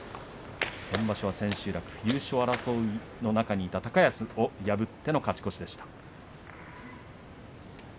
先場所は千秋楽優勝争いの中にいた高安を破っての勝ち越しでした。